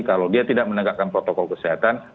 kalau dia tidak menegakkan protokol kesehatan